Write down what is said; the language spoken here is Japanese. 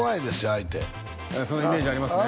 相手そのイメージありますね